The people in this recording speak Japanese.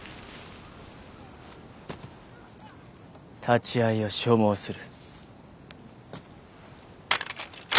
立ち合いを所望する。